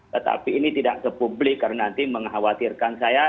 tetapi ini tidak ke publik karena nanti mengkhawatirkan saya